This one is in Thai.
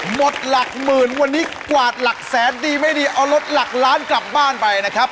หมดหลักหมื่นวันนี้กวาดหลักแสนดีไม่ดีเอารถหลักล้านกลับบ้านไปนะครับ